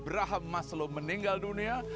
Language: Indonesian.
abraham maslow meninggal dunia